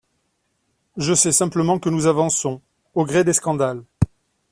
Je sais simplement que nous avançons, au gré des scandales.